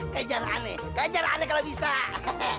kejar ane kejar ane kalau bisa